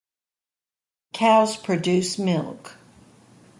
Cows produce milk.